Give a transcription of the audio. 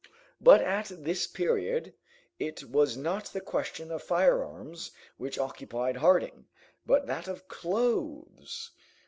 But at this period, it was not the question of firearms which occupied Harding, but that of clothes.